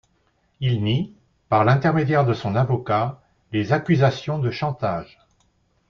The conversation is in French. Il nie, par l'intermédiaire de son avocat, les accusations de chantage.